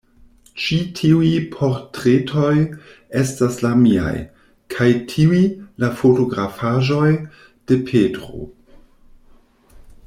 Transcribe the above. Ĉi tiuj portretoj estas la miaj; kaj tiuj, la fotografaĵoj de Petro.